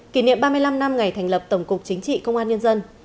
kỷ niệm ba mươi năm năm ngày thành lập tổng cục chính trị công an nhân dân